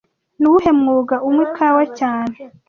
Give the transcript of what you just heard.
Nuwuhe mwuga unywa ikawa cyane